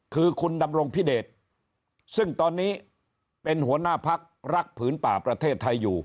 คือคุณดำรงพิเดชซึ่งตอนนี้เป็นหัวหน้าพักรักผืนป่าประเทศไทยอยู่